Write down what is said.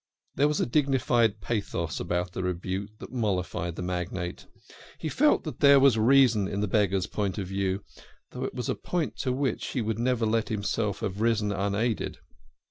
There was a dignified pathos about the rebuke that mollified the magnate. He felt that there was reason in the beggar's point of view though it was a point to which he would never himself have risen, unaided.